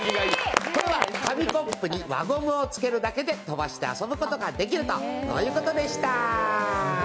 これは紙コップに輪ゴムをつけて飛ばして遊ぶことができるということでした。